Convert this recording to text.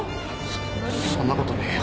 そっそんなことねえよ。